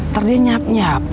ntar dia nyap nyap